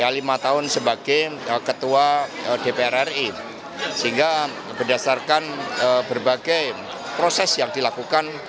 lima tahun sebagai ketua dpr ri sehingga berdasarkan berbagai proses yang dilakukan